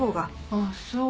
あっそう？